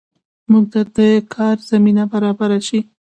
موږ ته د کار زمینه برابره شي